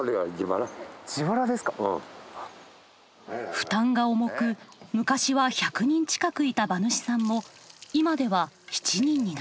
負担が重く昔は１００人近くいた馬主さんも今では７人になりました。